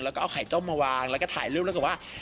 แล้วก็เอาไข่ต้มมาวางแล้วก็ถ่ายรูปแล้วก็ว่า